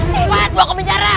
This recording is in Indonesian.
cepat bawa ke penjara